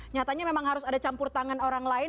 nyatanya memang harus ada campur tangan orang lain